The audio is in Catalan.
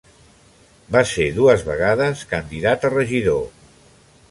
Va ser dues vegades candidat a regidor.